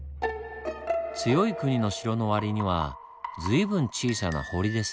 強い国の城の割には随分小さな堀ですねぇ。